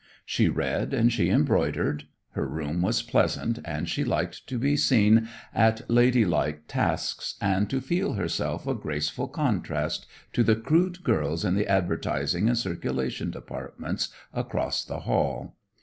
She read and she embroidered. Her room was pleasant, and she liked to be seen at ladylike tasks and to feel herself a graceful contrast to the crude girls in the advertising and circulation departments across the hall.